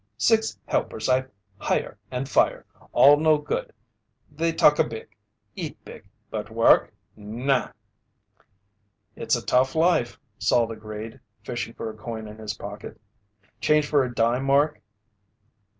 "Six helpers I hire and fire. All no good. They talka big, eat big but work? Naw!" "It's a tough life," Salt agreed, fishing for a coin in his pocket. "Change for a dime, Mark?"